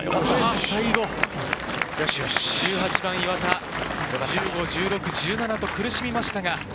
１８番、岩田、１５、１６、１７と苦しみましたが。